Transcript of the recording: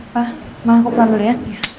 pak mau aku pulang dulu ya